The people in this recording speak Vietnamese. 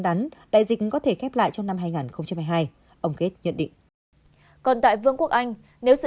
đắn đại dịch có thể khép lại trong năm hai nghìn hai mươi hai ông gate nhận định còn tại vương quốc anh nếu